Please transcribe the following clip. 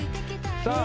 さあ